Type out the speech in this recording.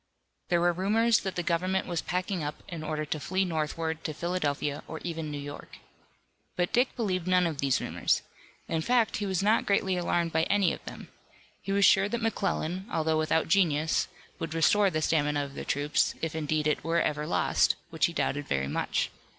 There were rumors that the government was packing up in order to flee northward to Philadelphia or even New York. But Dick believed none of these rumors. In fact, he was not greatly alarmed by any of them. He was sure that McClellan, although without genius, would restore the stamina of the troops, if indeed it were ever lost, which he doubted very much.